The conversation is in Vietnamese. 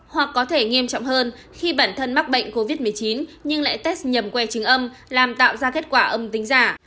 hoặc có thể nghiêm trọng hơn khi bản thân mắc bệnh covid một mươi chín nhưng lại test nhầm que trứng âm làm tạo ra kết quả âm tính giả